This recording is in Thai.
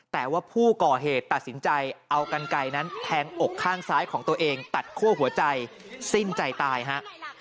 แต่ว่าผู้ก่อเหตุตัดสินใจเอากันไกลนั้นแทงอกข้างซ้ายของตัวเองตัดคั่วหัวใจสิ้นใจตายฮะ